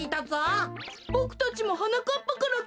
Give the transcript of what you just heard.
ボクたちもはなかっぱからきいたでごわす。